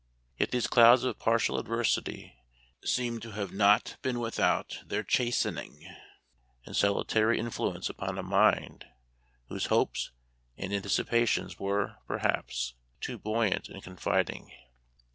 Yet these clouds of partial adversity seem to have been not without their chastening and salutary influence upon a mind whose hopes and anticipations were, perhaps, too buoyant and confiding.